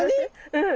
うん。